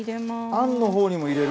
あんのほうにも。